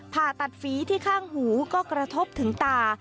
ผ่าตัดฝีที่ข้างหูก็กระทบถึงตา